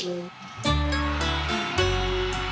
ตอนนั้นเม็ดมาว่ามาหนูติดทีชาตินะ